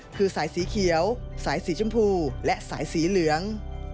คือสายสีเขียวสายสีชมพูและสายสีเหลือง